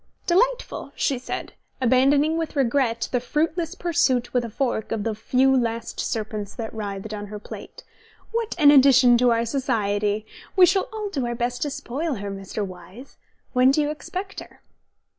"Delightful!" she said, abandoning with regret the fruitless pursuit with a fork of the few last serpents that writhed on her plate. "What an addition to our society! We shall all do our best to spoil her, Mr. Wyse. When do you expect her?"